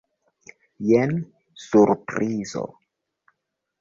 Jen surprizo!